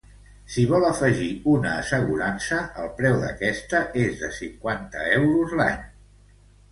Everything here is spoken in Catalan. Si vol afegir una assegurança, el preu d'aquesta és de cinquanta euros l'any.